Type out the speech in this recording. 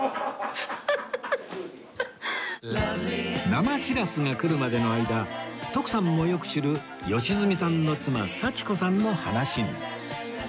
生シラスが来るまでの間徳さんもよく知る良純さんの妻幸子さんの話に